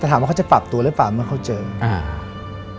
ถามว่าเขาจะปรับตัวหรือเปล่าเมื่อเขาเจออ่า